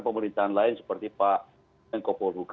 pemerintahan lain seperti pak